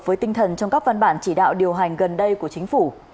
với tinh thần trong các văn bản chỉ đạo điều hành gần đây của chính phủ